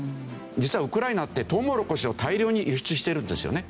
実はウクライナってとうもろこしを大量に輸出してるんですよね。